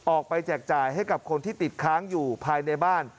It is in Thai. แจกจ่ายให้กับคนที่ติดค้างอยู่ภายในบ้าน